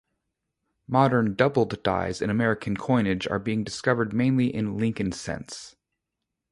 Modern doubled dies in American coinage are being discovered mainly in Lincoln cents.